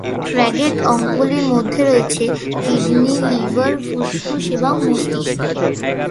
Target অঙ্গগুলোর মধ্যে রয়েছে কিডনি, লিভার, ফুসফুস এবং মস্তিষ্ক।